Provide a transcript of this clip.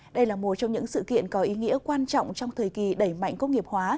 đây là một trong những sự kiện có ý nghĩa quan trọng trong thời kỳ đẩy mạnh công nghiệp hóa